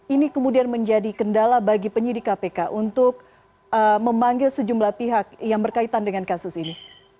ini kemudian menjadi kendala bagi penyidik kpk untuk memanggil sejumlah pihak yang berkaitan dengan kasus ini